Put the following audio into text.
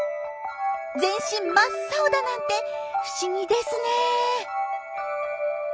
全身真っ青だなんて不思議ですね。